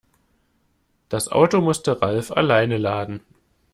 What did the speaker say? Das Auto musste Ralf alleine laden.